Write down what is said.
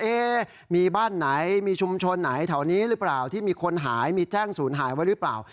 มีบ้านไหนมีชุมชนไหนแถวนี้หรือเปล่าที่มีคนหายมีแจ้งศูนย์หายไว้หรือเปล่า